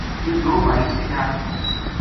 ویہ دو بھائی اُٹھیا